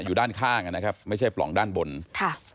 อยู่ด้านข้างอ่ะนะครับไม่ใช่ปล่องด้านบนค่ะ